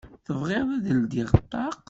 Tebɣiḍ ad d-ldiɣ ṭṭaq?